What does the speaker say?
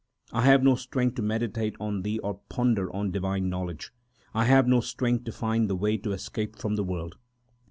I have no strength to meditate on Thee or ponder on divine knowledge ; I have no strength to find the way to escape from the world.